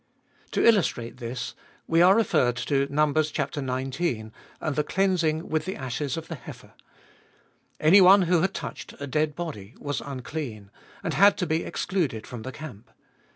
To illustrate this, we are referred to Numb. xix. and the cleansing with the ashes of the heifer. Anyone who had touched a dead body was unclean, and had to be excluded from the camp.